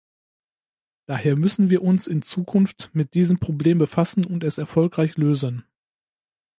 Daher müssen wir uns in Zukunft mit diesem Problem befassen und es erfolgreich lösen.